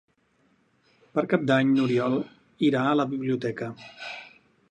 Per Cap d'Any n'Oriol irà a la biblioteca.